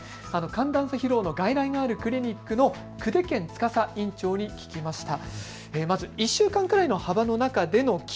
寒暖差疲労の外来があるクリニックの久手堅司院長に聞きました。